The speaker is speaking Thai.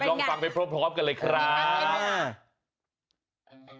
ลองฟังไปพร้อมกันเลยครับ